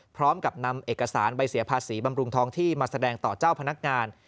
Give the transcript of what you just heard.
พร้อมกับนำเอกสารใบเสียภาษีบำรุงทองที่มาแสดงต่อเจ้าพนักงาน